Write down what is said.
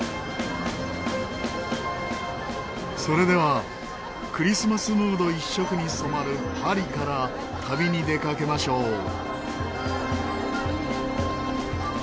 それではクリスマスムード一色に染まるパリから旅に出かけましょう。